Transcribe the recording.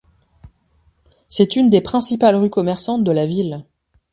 C'est une des principales rues commerçantes de la ville.